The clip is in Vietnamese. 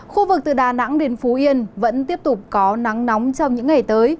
khu vực từ đà nẵng đến phú yên vẫn tiếp tục có nắng nóng trong những ngày tới